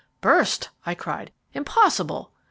"Burst!" I cried. "Impossible."